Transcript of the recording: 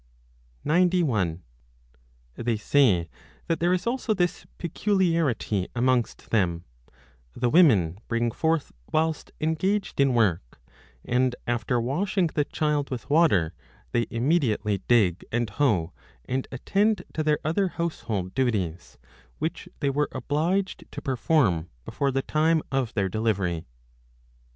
91 They say that there is also this peculiarity amongst them : 20 the women bring forth whilst engaged in work, and after washing the child with water, they immediately dig and hoe, and attend to their other household duties, which they were obliged to perform before the time of their delivery.